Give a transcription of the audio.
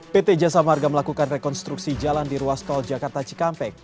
pt jasa marga melakukan rekonstruksi jalan di ruas tol jakarta cikampek